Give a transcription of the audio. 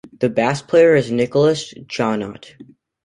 The bass player is Nicolas Jouannaut.